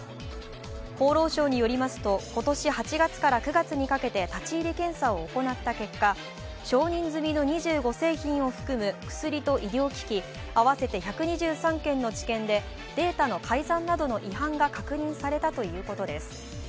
厚労省によりますと今年８月から９月にかけて立ち入り検査を行った結果、承認済みの２５製品を含む薬と医療機器合わせて１２３件の治験でデータの改ざんなどの違反が確認されたということです。